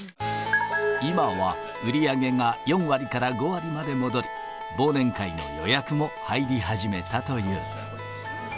今は売り上げが４割から５割まで戻り、忘年会の予約も入り始めたという。